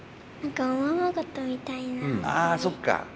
ああそっか。